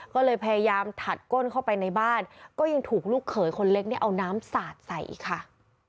ก็เลยพยายามถัดก้นเข้าไปในบ้านก็ยังถูกลูกเขยคนเล็กเนี่ยเอาน้ำสาดใส่ค่ะ